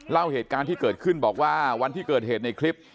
เล่าเหตุการณ์ที่เกิดขึ้นบอกว่าวันที่เกิดเหตุในคลิป